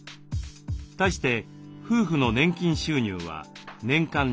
対して夫婦の年金収入は年間２８５万円。